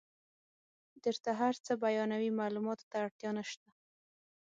درته هر څه بیانوي معلوماتو ته اړتیا نشته.